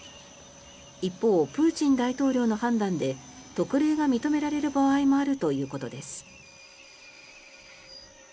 一方、プーチン大統領の判断で特例が認められる場合もあるということです。